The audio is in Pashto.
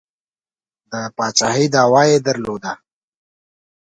د پاچهي دعوه یې درلوده.